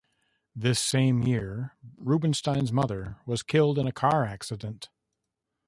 This same year, Rubinstein's mother was killed in a car accident.